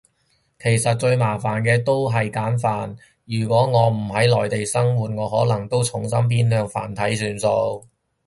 其實最麻煩都係簡繁，如果我唔係内地生活，我可能都重心偏向繁體算數